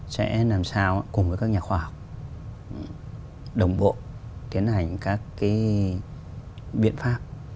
sẽ làm sao cùng với các nhà khoa học đồng bộ tiến hành các cái biện pháp